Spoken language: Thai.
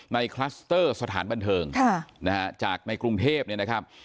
คลัสเตอร์สถานบันเทิงจากในกรุงเทพเนี่ยนะครับ